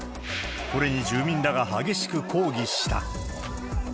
これに住民らが激しく抗議した。